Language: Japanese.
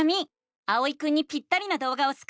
あおいくんにぴったりなどうがをスクってあげて！